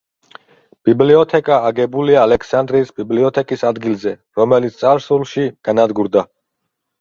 ბიბლიოთეკა აგებულია ალექსანდრიის ბიბლიოთეკის ადგილზე, რომელიც წარსულში განადგურდა.